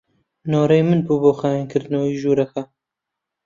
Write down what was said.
نۆرەی من بوو بۆ خاوێنکردنەوەی ژوورەکە.